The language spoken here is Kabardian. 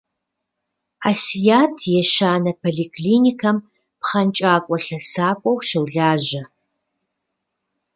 Асият ещанэ поликлиникэм пхъэнкӏакӏуэ-лъэсакӏуэу щолажьэ.